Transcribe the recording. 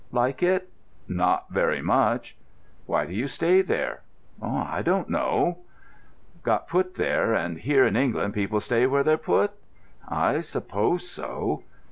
"Like it?" "Not very much." "Why do you stay there?" "I don't know." "Got put there, and here in England people stay where they're put?" "I suppose so."